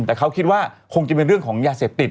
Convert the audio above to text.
แต่เขาคิดว่าคงจะเป็นเรื่องของยาเสพติด